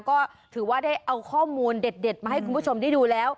ก็ถือว่าได้เอาข้อมูลเด็ดมาให้คุณผู้ชมได้ดูแล้ว